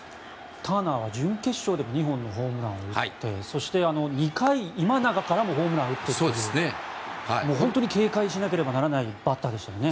ターナーは準決勝でも２本のホームランを打ってそして２回、今永からもホームランを打ってという本当に警戒しなければいけないバッターでしたよね。